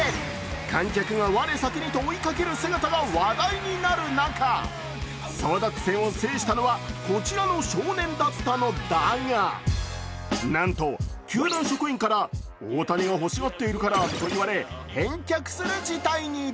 観客が我先にと追いかける姿が話題になる中、争奪戦を制したのはこちらの少年だったのだが、なんと、球団職員から大谷が欲しがっているからと言われ返却する事態に。